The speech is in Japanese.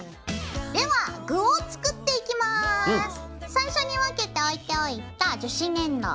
最初に分けて置いておいた樹脂粘土